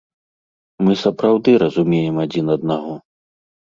Мы сапраўды разумеем адзін аднаго.